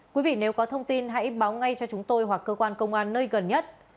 quý vị nếu có thông tin hãy báo ngay cho chúng tôi hoặc cơ quan công an nơi gần nhất